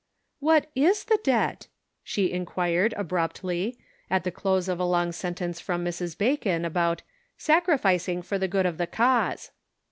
" What is the debt ?" she inquired, abruptly, at the close of a long sentence from Mrs. Bacon about " sacrificing for the good of the cause."